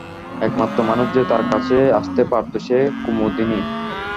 একমাত্র মানুষ যে তাঁর কাছে আসতে পারত সে কুমুদিনী।